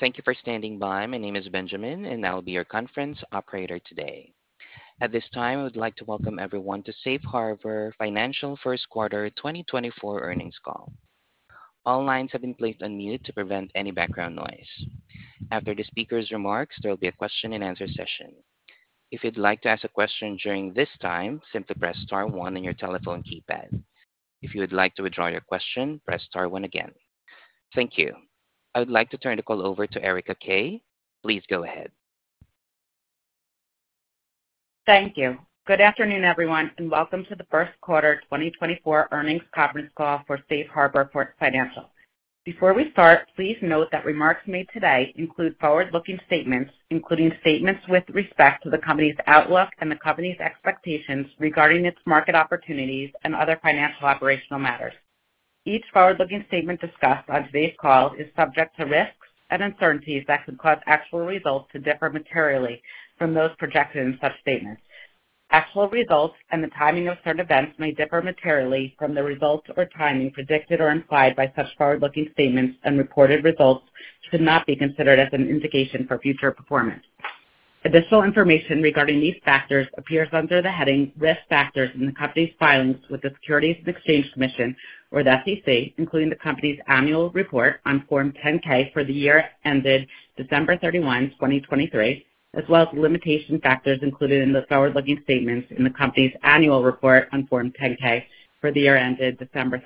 Thank you for standing by. My name is Benjamin, and I'll be your conference operator today. At this time, I would like to welcome everyone to Safe Harbor Financial Q1 2024 earnings call. All lines have been placed on mute to prevent any background noise. After the speaker's remarks, there will be a question-and-answer session. If you'd like to ask a question during this time, simply press star 1 on your telephone keypad. If you would like to withdraw your question, press star 1 again. Thank you. I would like to turn the call over to Erika Kay. Please go ahead. Thank you. Good afternoon, everyone, and welcome to the Q1 2024 earnings conference call for Safe Harbor Financial. Before we start, please note that remarks made today include forward-looking statements, including statements with respect to the company's outlook and the company's expectations regarding its market opportunities and other financial operational matters. Each forward-looking statement discussed on today's call is subject to risks and uncertainties that could cause actual results to differ materially from those projected in such statements. Actual results and the timing of certain events may differ materially from the results or timing predicted or implied by such forward-looking statements, and reported results should not be considered as an indication for future performance. Additional information regarding these factors appears under the heading "Risk Factors in the Company's Filings with the Securities and Exchange Commission," or the SEC, including the company's annual report on Form 10-K for the year ended December 31, 2023, as well as limitation factors included in the forward-looking statements in the company's annual report on Form 10-K for the year ended 31 December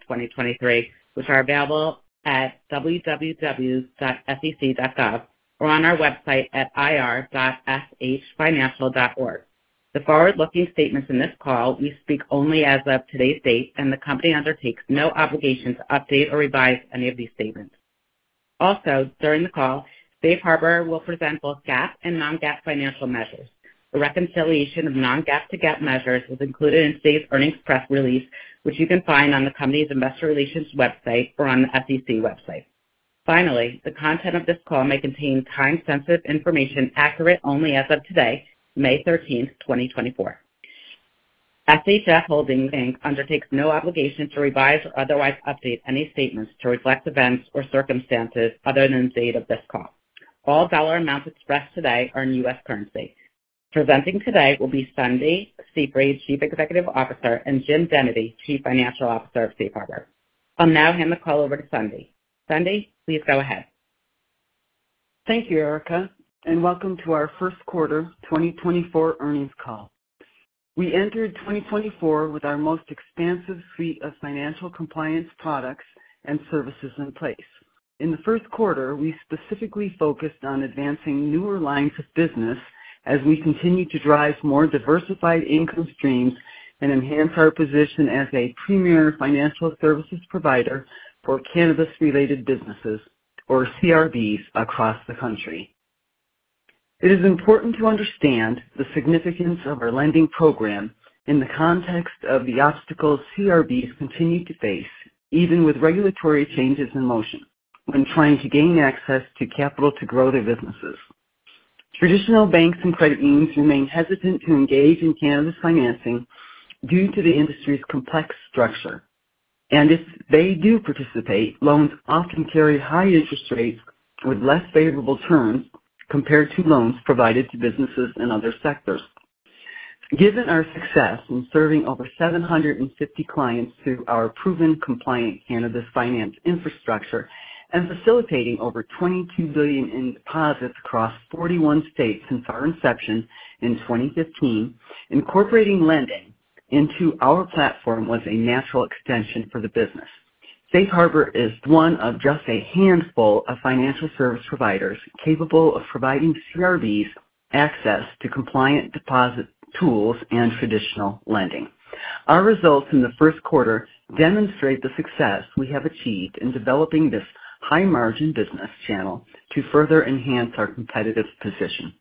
2023, which are available at www.sec.gov or on our website at ir.shfinancial.org. The forward-looking statements in this call, we speak only as of today's date, and the company undertakes no obligation to update or revise any of these statements. Also, during the call, Safe Harbor will present both GAAP and non-GAAP financial measures. The reconciliation of non-GAAP to GAAP measures is included in today's earnings press release, which you can find on the company's investor relations website or on the SEC website. Finally, the content of this call may contain time-sensitive information accurate only as of today, 13 May 2024. SHF Holdings Inc. undertakes no obligation to revise or otherwise update any statements to reflect events or circumstances other than the date of this call. All dollar amounts expressed today are in U.S. currency. Presenting today will be Sundie Seefried, Chief Executive Officer, and Jim Dennedy, Chief Financial Officer of Safe Harbor. I'll now hand the call over to Sundie. Sundie, please go ahead. Thank you, Erica, and welcome to our Q1 2024 earnings call. We entered 2024 with our most expansive suite of financial compliance products and services in place. In the Q1, we specifically focused on advancing newer lines of business as we continue to drive more diversified income streams and enhance our position as a premier financial services provider for cannabis-related businesses, or CRBs, across the country. It is important to understand the significance of our lending program in the context of the obstacles CRBs continue to face, even with regulatory changes in motion, when trying to gain access to capital to grow their businesses. Traditional banks and credit unions remain hesitant to engage in cannabis financing due to the industry's complex structure, and if they do participate, loans often carry high interest rates with less favorable terms compared to loans provided to businesses in other sectors. Given our success in serving over 750 clients through our proven compliant cannabis finance infrastructure and facilitating over $22 billion in deposits across 41 states since our inception in 2015, incorporating lending into our platform was a natural extension for the business. Safe Harbor is one of just a handful of financial service providers capable of providing CRBs access to compliant deposit tools and traditional lending. Our results in the Q1 demonstrate the success we have achieved in developing this high-margin business channel to further enhance our competitive position.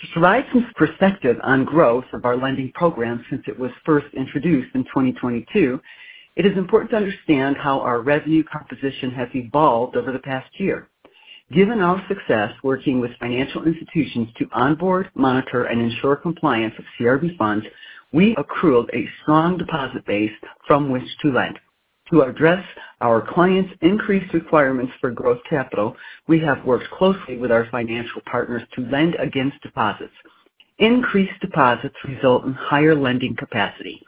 To provide some perspective on growth of our lending program since it was first introduced in 2022, it is important to understand how our revenue composition has evolved over the past year. Given our success working with financial institutions to onboard, monitor, and ensure compliance with CRB funds, we accrued a strong deposit base from which to lend. To address our clients' increased requirements for growth capital, we have worked closely with our financial partners to lend against deposits. Increased deposits result in higher lending capacity.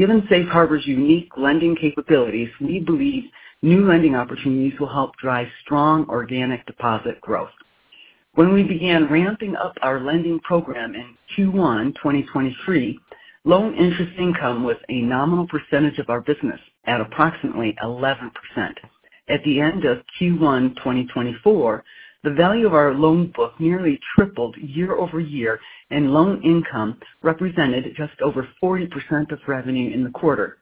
Given Safe Harbor's unique lending capabilities, we believe new lending opportunities will help drive strong organic deposit growth. When we began ramping up our lending program in Q1 2023, loan interest income was a nominal percentage of our business at approximately 11%. At the end of Q1 2024, the value of our loan book nearly tripled year-over-year, and loan income represented just over 40% of revenue in the quarter.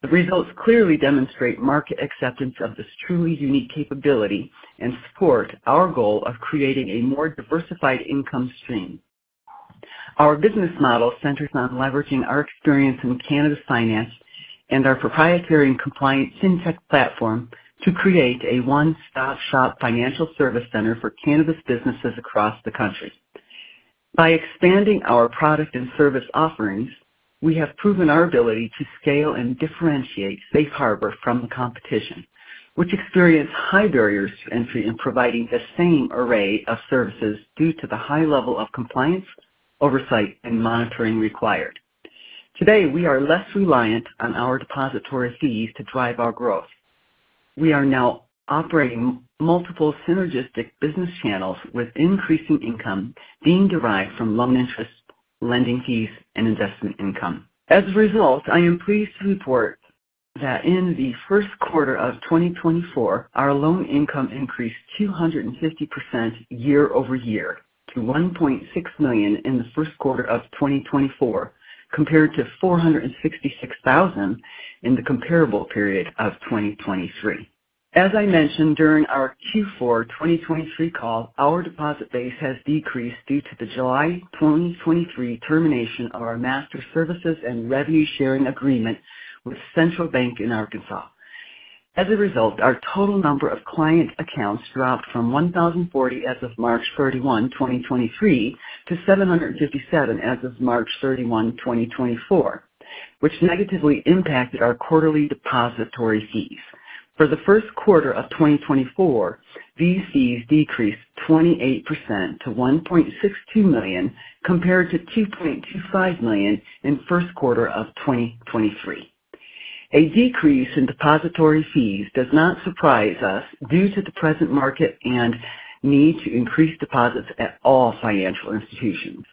The results clearly demonstrate market acceptance of this truly unique capability and support our goal of creating a more diversified income stream. Our business model centers on leveraging our experience in cannabis finance and our proprietary and compliant FinTech platform to create a one-stop-shop financial service center for cannabis businesses across the country. By expanding our product and service offerings, we have proven our ability to scale and differentiate Safe Harbor from the competition, which experienced high barriers to entry in providing the same array of services due to the high level of compliance, oversight, and monitoring required. Today, we are less reliant on our depository fees to drive our growth. We are now operating multiple synergistic business channels with increasing income being derived from loan interest, lending fees, and investment income. As a result, I am pleased to report that in the Q1 of 2024, our loan income increased 250% year-over-year to $1.6 million in the Q1 of 2024, compared to $466,000 in the comparable period of 2023. As I mentioned, during our Q4 2023 call, our deposit base has decreased due to the July 2023 termination of our master services and revenue sharing agreement with Central Bank in Arkansas. As a result, our total number of client accounts dropped from 1,040 as of 31 March, 2023, to 757 as of 31, March 2024, which negatively impacted our quarterly depository fees. For the Q1 of 2024, these fees decreased 28% to $1.62 million compared to $2.25 million in the Q1 of 2023. A decrease in depository fees does not surprise us due to the present market and need to increase deposits at all financial institutions.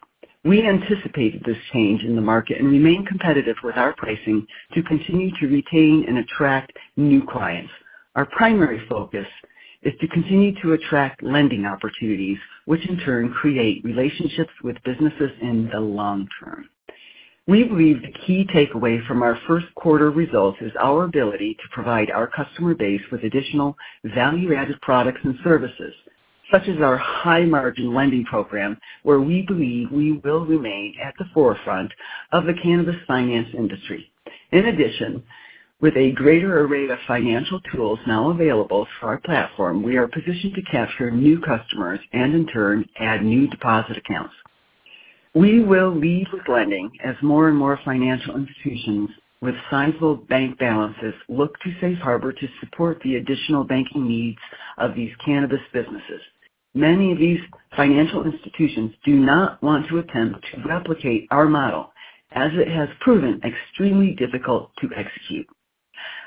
We anticipated this change in the market and remain competitive with our pricing to continue to retain and attract new clients. Our primary focus is to continue to attract lending opportunities, which in turn create relationships with businesses in the long term. We believe the key takeaway from our Q1 results is our ability to provide our customer base with additional value-added products and services, such as our high-margin lending program, where we believe we will remain at the forefront of the cannabis finance industry. In addition, with a greater array of financial tools now available for our platform, we are positioned to capture new customers and, in turn, add new deposit accounts. We will lead with lending as more and more financial institutions with sizable bank balances look to Safe Harbor to support the additional banking needs of these cannabis businesses. Many of these financial institutions do not want to attempt to replicate our model, as it has proven extremely difficult to execute.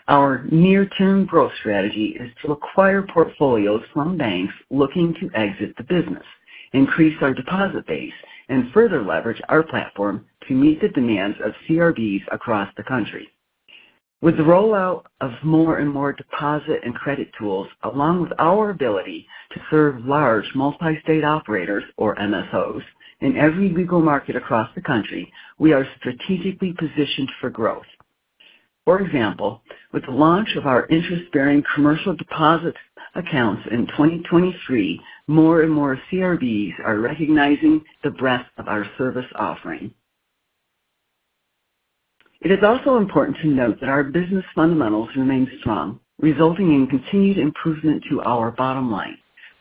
Our near-term growth strategy is to acquire portfolios from banks looking to exit the business, increase our deposit base, and further leverage our platform to meet the demands of CRBs across the country. With the rollout of more and more deposit and credit tools, along with our ability to serve large multi-state operators, or MSOs, in every legal market across the country, we are strategically positioned for growth. For example, with the launch of our interest-bearing commercial deposit accounts in 2023, more and more CRBs are recognizing the breadth of our service offering. It is also important to note that our business fundamentals remain strong, resulting in continued improvement to our bottom line.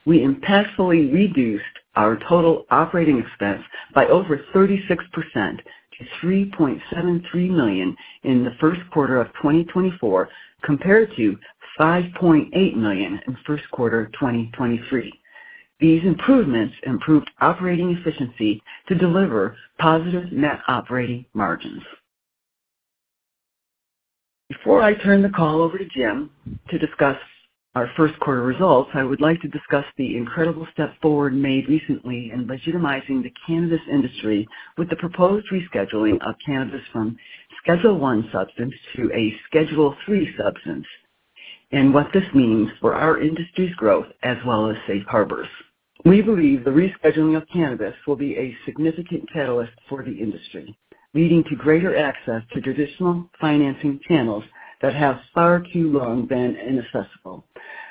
We impactfully reduced our total operating expense by over 36% to $3.73 million in the Q1 of 2024, compared to $5.8 million in the Q1 of 2023. These improvements improved operating efficiency to deliver positive net operating margins. Before I turn the call over to Jim to discuss our Q1 results, I would like to discuss the incredible step forward made recently in legitimizing the cannabis industry with the proposed rescheduling of cannabis from Schedule I substance to a Schedule III substance and what this means for our industry's growth as well as Safe Harbor's. We believe the rescheduling of cannabis will be a significant catalyst for the industry, leading to greater access to traditional financing channels that have far too long been inaccessible.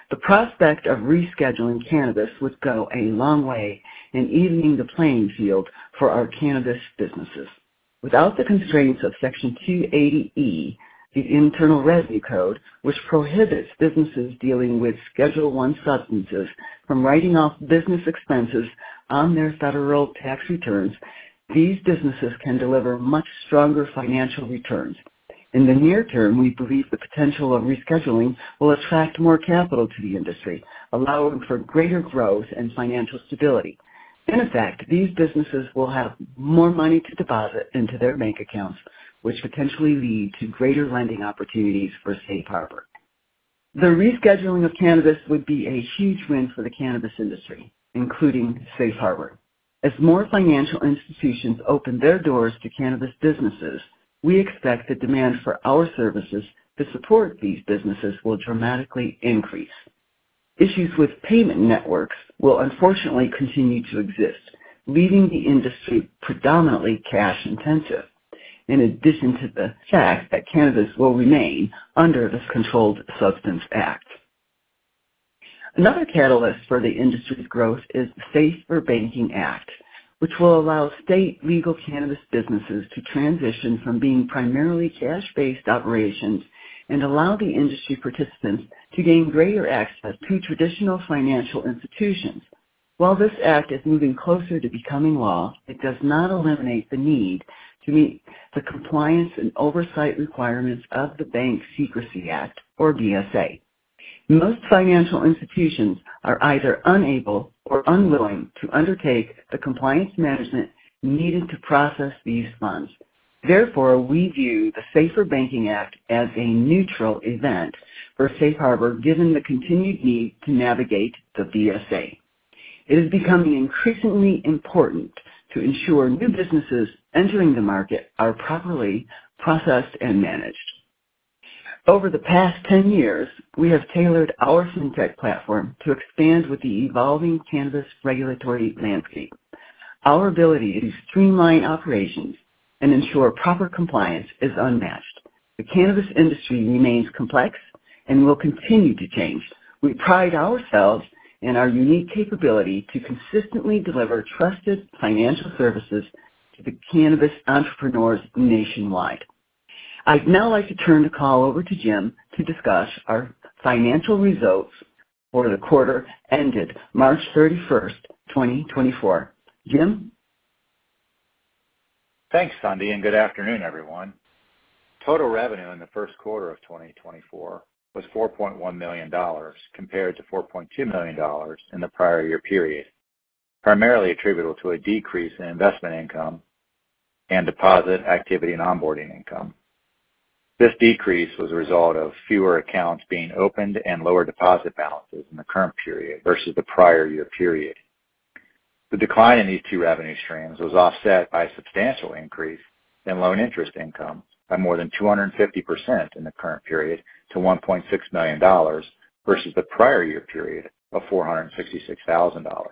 The prospect of rescheduling cannabis would go a long way in evening the playing field for our cannabis businesses. Without the constraints of Section 280E, the Internal Revenue Code, which prohibits businesses dealing with Schedule I substances from writing off business expenses on their federal tax returns, these businesses can deliver much stronger financial returns. In the near term, we believe the potential of rescheduling will attract more capital to the industry, allowing for greater growth and financial stability. In effect, these businesses will have more money to deposit into their bank accounts, which potentially lead to greater lending opportunities for Safe Harbor. The rescheduling of cannabis would be a huge win for the cannabis industry, including Safe Harbor. As more financial institutions open their doors to cannabis businesses, we expect the demand for our services to support these businesses will dramatically increase. Issues with payment networks will unfortunately continue to exist, leaving the industry predominantly cash-intensive, in addition to the fact that cannabis will remain under the Controlled Substances Act. Another catalyst for the industry's growth is the SAFER Banking Act, which will allow state legal cannabis businesses to transition from being primarily cash-based operations and allow the industry participants to gain greater access to traditional financial institutions. While this act is moving closer to becoming law, it does not eliminate the need to meet the compliance and oversight requirements of the Bank Secrecy Act, or BSA. Most financial institutions are either unable or unwilling to undertake the compliance management needed to process these funds. Therefore, we view the SAFER Banking Act as a neutral event for Safe Harbor, given the continued need to navigate the BSA. It is becoming increasingly important to ensure new businesses entering the market are properly processed and managed. Over the past 10 years, we have tailored our FinTech platform to expand with the evolving cannabis regulatory landscape. Our ability to streamline operations and ensure proper compliance is unmatched. The cannabis industry remains complex and will continue to change. We pride ourselves in our unique capability to consistently deliver trusted financial services to the cannabis entrepreneurs nationwide. I'd now like to turn the call over to Jim to discuss our financial results for the quarter ended 31, March 2024. Jim? Thanks, Sundie, and good afternoon, everyone. Total revenue in the Q1 of 2024 was $4.1 million, compared to $4.2 million in the prior year period, primarily attributable to a decrease in investment income and deposit activity and onboarding income. This decrease was a result of fewer accounts being opened and lower deposit balances in the current period versus the prior year period. The decline in these two revenue streams was offset by a substantial increase in loan interest income by more than 250% in the current period to $1.6 million, versus the prior year period of $466,000.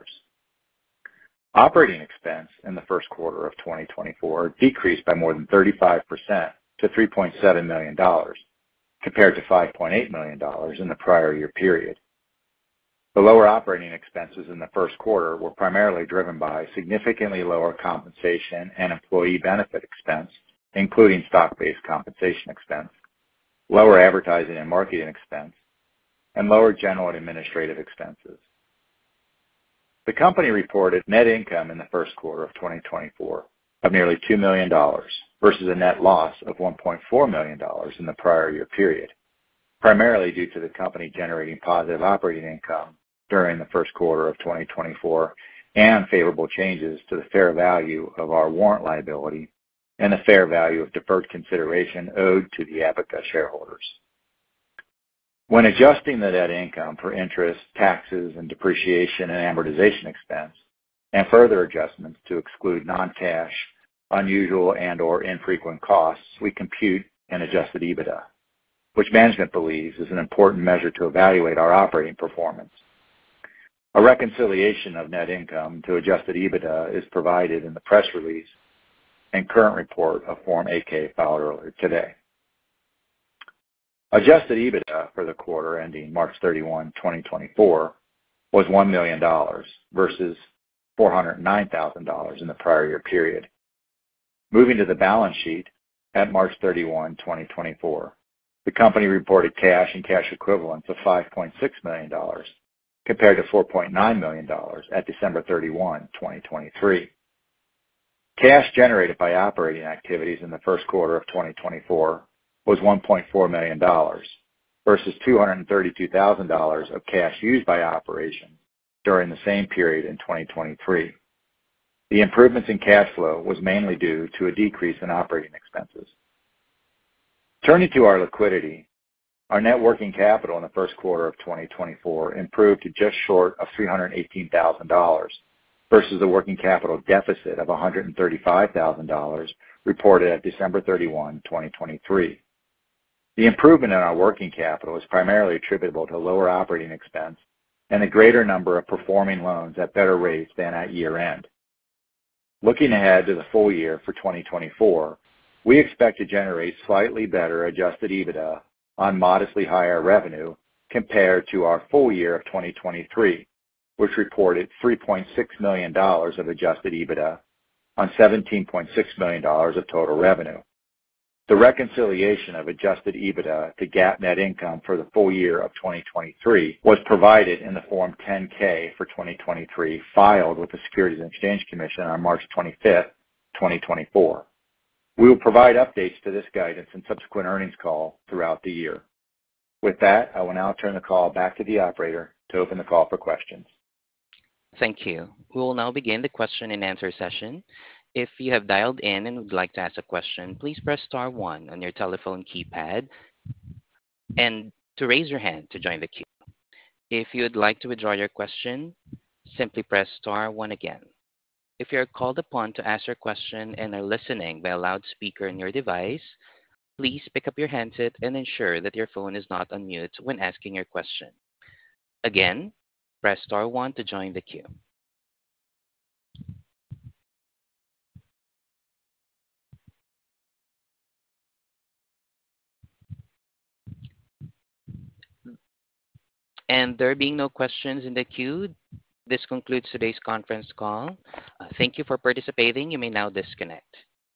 Operating expense in the Q1 of 2024 decreased by more than 35% to $3.7 million, compared to $5.8 million in the prior year period. The lower operating expenses in the Q1 were primarily driven by significantly lower compensation and employee benefit expense, including stock-based compensation expense, lower advertising and marketing expense, and lower general administrative expenses. The company reported net income in the Q1 of 2024 of nearly $2 million, versus a net loss of $1.4 million in the prior year period, primarily due to the company generating positive operating income during the Q1 of 2024 and favorable changes to the fair value of our warrant liability and the fair value of deferred consideration owed to the Abaca shareholders. When adjusting the net income for interest, taxes, and depreciation and amortization expense, and further adjustments to exclude non-cash, unusual, and/or infrequent costs, we compute an Adjusted EBITDA, which management believes is an important measure to evaluate our operating performance. A reconciliation of net income to Adjusted EBITDA is provided in the press release and current report of Form 8-K filed earlier today. Adjusted EBITDA for the quarter ending 31, March 2024, was $1 million, versus $409,000 in the prior year period. Moving to the balance sheet at 31, March 2024, the company reported cash and cash equivalents of $5.6 million, compared to $4.9 million at 31, December 2023. Cash generated by operating activities in the Q1 of 2024 was $1.4 million, versus $232,000 of cash used by operations during the same period in 2023. The improvements in cash flow were mainly due to a decrease in operating expenses. Turning to our liquidity, our net working capital in the Q1 of 2024 improved to just short of $318,000, versus a working capital deficit of $135,000 reported at 31, December 2023. The improvement in our working capital is primarily attributable to lower operating expense and a greater number of performing loans at better rates than at year-end. Looking ahead to the full year for 2024, we expect to generate slightly better adjusted EBITDA on modestly higher revenue compared to our full year of 2023, which reported $3.6 million of adjusted EBITDA on $17.6 million of total revenue. The reconciliation of adjusted EBITDA to GAAP net income for the full year of 2023 was provided in the Form 10-K for 2023 filed with the Securities and Exchange Commission on 25, March 2024. We will provide updates to this guidance in the subsequent earnings call throughout the year. With that, I will now turn the call back to the operator to open the call for questions. Thank you. We will now begin the question-and-answer session. If you have dialed in and would like to ask a question, please press star 1 on your telephone keypad to raise your hand to join the queue. If you would like to withdraw your question, simply press star 1 again. If you are called upon to ask your question and are listening by a loudspeaker on your device, please pick up your handset and ensure that your phone is not unmuted when asking your question. Again, press star 1 to join the queue. There being no questions in the queue, this concludes today's conference call. Thank you for participating. You may now disconnect.